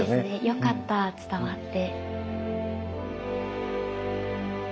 よかった伝わって。